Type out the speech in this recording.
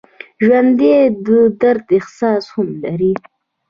ژوندي د درد احساس هم لري